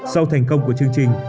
sau thành công của chương trình